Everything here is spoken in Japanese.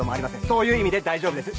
そういう意味で大丈夫です！